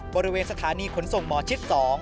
บริเวณสถานีขนส่งหมอชิด๒